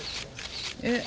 えっ？